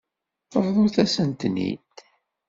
Bḍut-asent-ten-id.